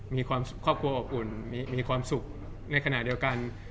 มีความสุขครอบครัวอบอุ่นมีความสุขในขณะเดียวกัน